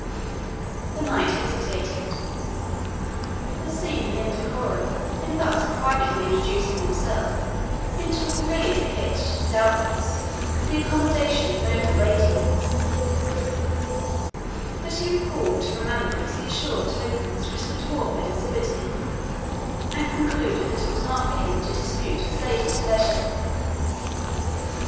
The knight hesitated. There seemed an indecorum in thus privately introducing himself into a pavilion pitched, doubtless, for the accommodation of noble ladies; but he recalled to remembrance the assured tokens which the dwarf had exhibited, and concluded that it was not for him to dispute his lady's pleasure.